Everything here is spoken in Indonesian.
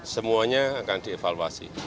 semuanya akan dievaluasi